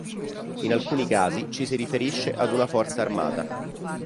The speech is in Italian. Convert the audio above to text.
In alcuni casi ci si riferisce ad una forza armata.